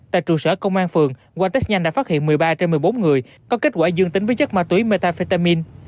tại trụ sở công an phường qua test nhanh đã phát hiện một mươi ba trên một mươi bốn người có kết quả dương tính với chất ma túy metafetamin